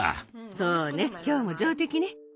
そうね今日も上出来ね。